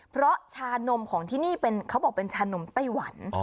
เพราะชานมของที่นี่เขาบอกเป็นชานมไต้หวัน